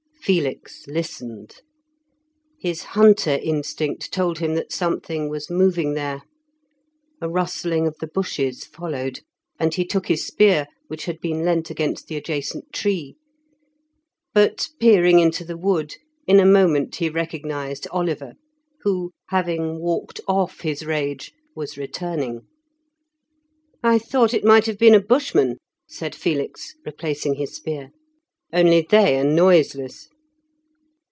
Felix listened. His hunter instinct told him that something was moving there. A rustling of the bushes followed, and he took his spear which had been leant against the adjacent tree. But, peering into the wood, in a moment he recognised Oliver, who, having walked off his rage, was returning. "I though it might have been a Bushman," said Felix, replacing his spear; "only they are noiseless."